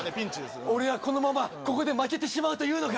そー、俺はこのままここで負けてしまうというのか。